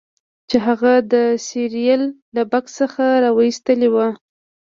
چې هغه د سیریل له بکس څخه راویستلی و